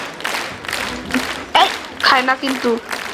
আসবেন কোনো সময় আমাদের পতিতালয়ে।